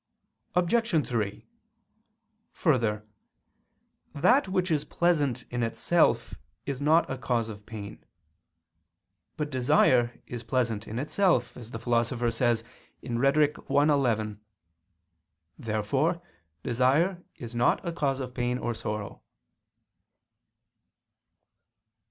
Obj. 3: Further, that which is pleasant in itself is not a cause of pain. But desire is pleasant in itself, as the Philosopher says (Rhet. i, 11). Therefore desire is not a cause of pain or sorrow.